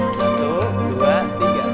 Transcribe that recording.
selamat ulang tahun